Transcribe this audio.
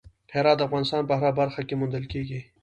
هرات د افغانستان په هره برخه کې موندل کېږي.